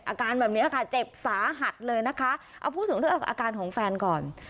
อาการแบบนี้ค่ะเจ็บสาหัสเลยนะคะเอาพูดถึงเรื่องอาการของแฟนก่อน